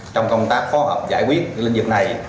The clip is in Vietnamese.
trong công tác phối hợp giải quyết lĩnh vực này